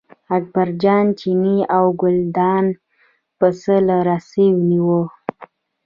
اکبرجان چینی او ګلداد پسه له رسۍ ونیوه.